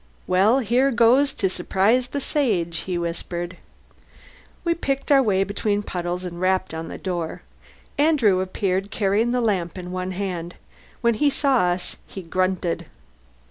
"Well, here goes to surprise the Sage!" he whispered. We picked our way between puddles and rapped on the door. Andrew appeared, carrying the lamp in one hand. When he saw us he grunted.